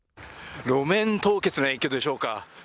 路面凍結の影響でしょうか。